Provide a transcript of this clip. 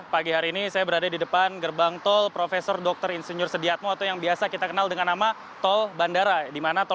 pagi hari ini saya berada di depan gerbang tol prof dr insinyur sediatmo atau yang biasa kita kenal dengan nama tol bandara